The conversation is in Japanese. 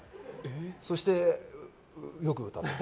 そして、よく歌ってた。